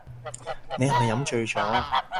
你係咪飲醉咗